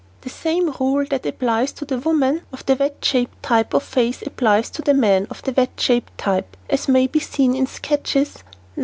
The same rule that applies to the women of the wedge shaped type of face applies to the man of the wedge shaped type, as may be seen in sketches Nos.